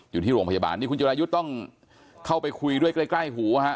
อยู่ที่โรงพยาบาลนี่คุณจิรายุทธ์ต้องเข้าไปคุยด้วยใกล้หูฮะ